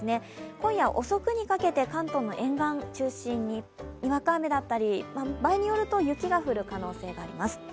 今夜、遅くにかけて関東の沿岸中心に、にわか雨だったり場合によると雪が降る可能性があります。